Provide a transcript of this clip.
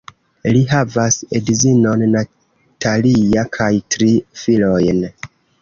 Li havas edzinon Natalia kaj tri filojn.